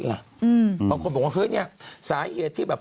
บางคนบอกว่าคือนี่สาเหตุที่แบบ